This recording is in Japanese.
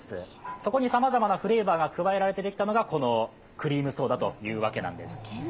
そこにさまざまなフレーバーが加えられてできたのが、このクリームソーダということなんです。